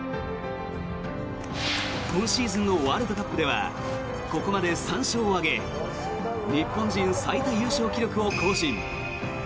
今シーズンのワールドカップではここまで３勝を挙げ日本人最多優勝記録を更新。